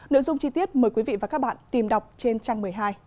nội dung chi tiết mời quý vị và các bạn tìm đọc trên trang một mươi hai